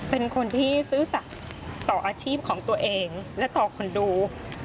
เป็นคนที่ซื่อสัตว์ต่ออาชีพของตัวเองและต่อคนดู